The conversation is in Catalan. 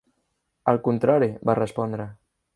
"Al contrari" va respondre.